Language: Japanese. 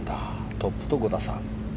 トップと５打差。